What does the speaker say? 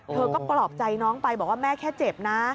เธอก็ปลอบใจน้องไปบอกว่าแม่แค่เจ็บนะ